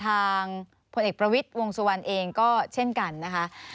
พลเอกประวิทย์วงสุวรรณเองก็เช่นกันนะคะ